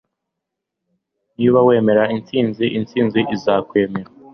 niba wemera intsinzi, intsinzi izakwemera